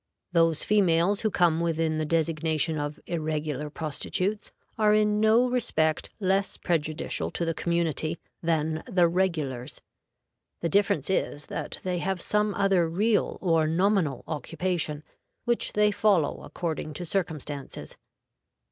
Those females who come within the designation of "irregular prostitutes" are in no respect less prejudicial to the community than the "regulars." The difference is that they have some other real or nominal occupation, which they follow according to circumstances.